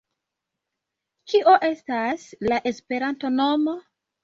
Kio estas la Esperanto-nomo?